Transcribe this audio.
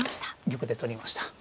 玉で取りました。